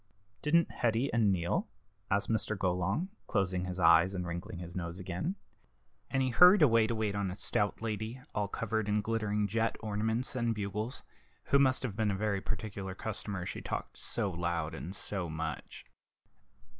"Didn't Hetty and Neal?" asked Mr. Golong, closing his eyes and wrinkling his nose again; and he hurried away to wait on a stout lady, all covered with glittering jet ornaments and bugles, who must have been a very particular customer, she talked so loud and so much.